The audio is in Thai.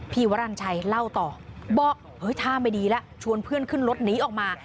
วรรณชัยเล่าต่อบอกเฮ้ยท่าไม่ดีแล้วชวนเพื่อนขึ้นรถหนีออกมา